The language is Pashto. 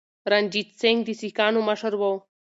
رنجیت سنګ د سکانو مشر و.